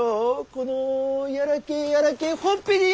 このやらけえやらけえほっぺによ！